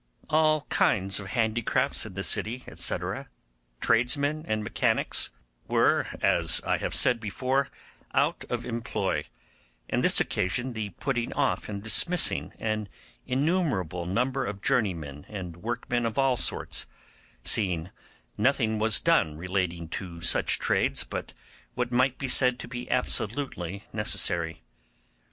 All kinds of handicrafts in the city, &c., tradesmen and mechanics, were, as I have said before, out of employ; and this occasioned the putting off and dismissing an innumerable number of journeymen and workmen of all sorts, seeing nothing was done relating to such trades but what might be said to be absolutely necessary.